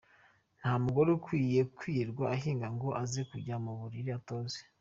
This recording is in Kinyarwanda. Nta mugore ukwiye kwirirwa ahinga ngo aze kujya mu buriri atoze.